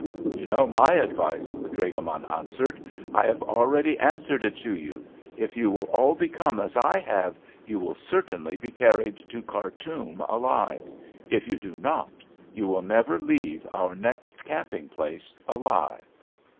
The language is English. "You know my advice," the dragoman answered; "I have already answered it to you. If you will all become as I have, you will certainly be carried to Khartoum alive. If you do not, you will never leave our next camping place alive."